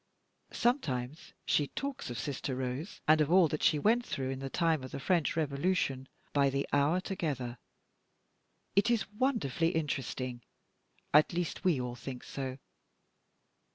Sometimes she talks of Sister Rose, and of all that she went through in the time of the French Revolution, by the hour together. It is wonderfully interesting at least we all think so."